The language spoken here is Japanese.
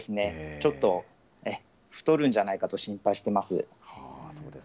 ちょっと太るんじゃないかと心配してます。